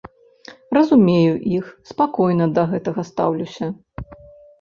Разумею іх, спакойна да гэтага стаўлюся.